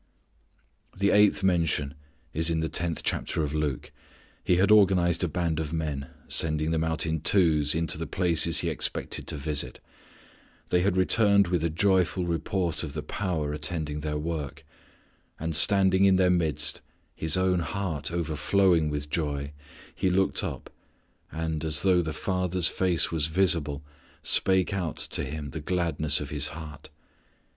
The eighth mention is in the tenth chapter of Luke. He had organized a band of men, sending them out in two's into the places he expected to visit. They had returned with a joyful report of the power attending their work; and standing in their midst, His own heart overflowing with joy, He looked up and, as though the Father's face was visible, spake out to Him the gladness of His heart.